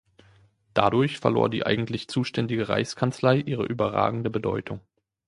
Dadurch verlor die eigentlich zuständige Reichskanzlei ihre überragende Bedeutung.